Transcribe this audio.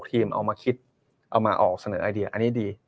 เอามาคิดเอามาออกเสนอไอเดียอันนี้ดี